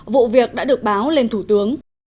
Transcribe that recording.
vụ việc đã được báo lên thủ tướng